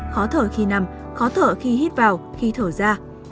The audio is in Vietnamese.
khó thở khi nằm khó thở khi hít vào khi thở ra